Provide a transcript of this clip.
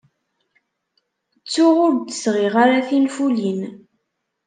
Ttuɣ ur d-sɣiɣ ara tinfulin.